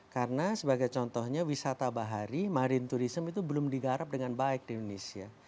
karena sebagai contohnya wisata bahari marine tourism itu belum digarap dengan baik di indonesia